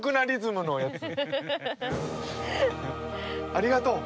ありがとう！